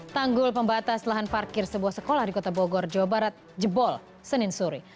tanggul pembatas lahan parkir sebuah sekolah di kota bogor jawa barat jebol senin suri